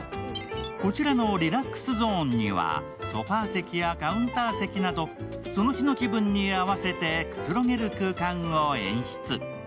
こちらのリラックスゾーンにはソファー席やカウンター席などその日の気分に合わせてくつろげる空間を演出。